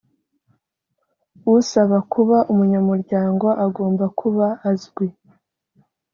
usaba kuba umunyamuryango agomba kuba azwi